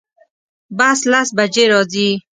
بس لس بجی راځي